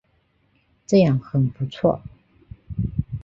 这样很不错